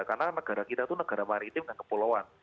karena negara kita itu negara maritim dan kepulauan